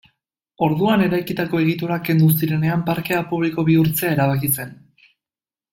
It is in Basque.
Orduan eraikitako egiturak kendu zirenean parkea publiko bihurtzea erabaki zen.